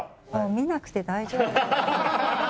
見なくて大丈夫。